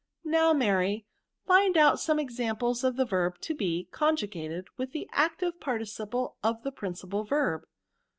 Now, Mary, find out some examples of the verb to be conjugated with the active participle of the principal verb."